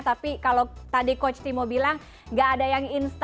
tapi kalau tadi coach timo bilang gak ada yang instan